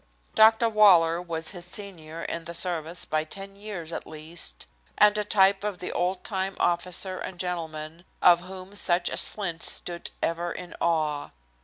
Dr. Waller was his senior in the service by ten years at least, and a type of the old time officer and gentleman of whom such as Flint stood ever in awe.